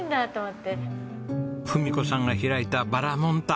文子さんが開いたバラモン太。